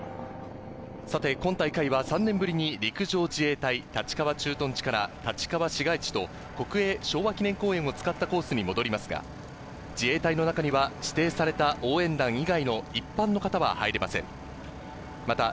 今大会は３年ぶりに陸上自衛隊立川駐屯地から立川市街地と国営昭和記念公園を使ったコースに戻りますが、自衛隊の中には指定された応援団以外の一般の方は入れません。